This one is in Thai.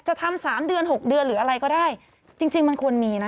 ทำสามเดือนหกเดือนหรืออะไรก็ได้จริงจริงมันควรมีนะ